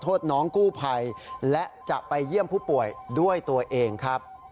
โทษน้องกู้ภัยและจะไปเยี่ยมผู้ป่วยด้วยตัวเองครับ